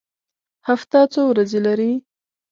هفته څو ورځې لري؟